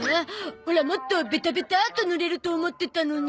オラもっとベタベタっと塗れると思ってたのに。